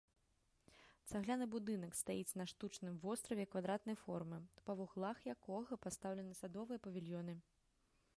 Цагляны будынак стаіць на штучным востраве квадратнай формы, па вуглах якога пастаўлены садовыя павільёны.